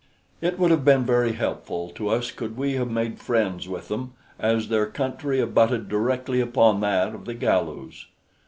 It would have been very helpful to us could we have made friends with them, as their country abutted directly upon that of the Galus.